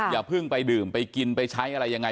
อย่าเพิ่งไปดื่มไปกินไปใช้อะไรยังไง